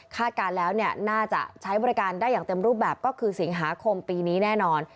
การแล้วน่าจะใช้บริการได้อย่างเต็มรูปแบบก็คือสิงหาคมปีนี้แน่นอน